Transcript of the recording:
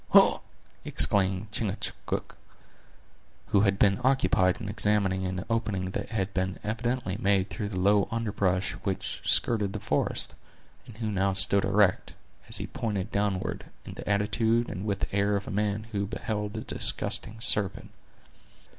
"Hugh!" exclaimed Chingachgook, who had been occupied in examining an opening that had been evidently made through the low underbrush which skirted the forest; and who now stood erect, as he pointed downward, in the attitude and with the air of a man who beheld a disgusting serpent.